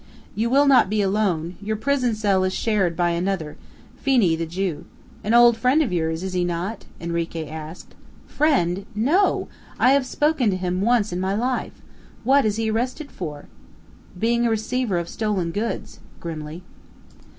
"You will not be alone; your prison cell is shared by another Phenee, the Jew. An old friend of yours, is he not?" Henrique asked. "Friend no! I have only spoken to him once in my life. What is he arrested for?" "Being a receiver of stolen goods," grimly.